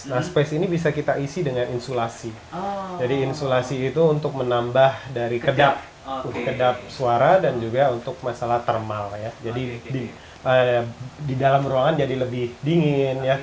nah space ini bisa kita isi dengan insullasi jadi insulasi itu untuk menambah dari kedap kedap suara dan juga untuk masalah termal ya jadi di dalam ruangan jadi lebih dingin